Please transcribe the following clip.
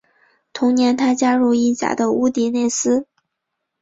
同年他加入意甲的乌迪内斯。